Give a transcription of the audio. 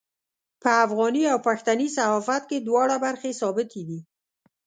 په افغاني او پښتني صحافت کې دواړه برخې ثابتې دي.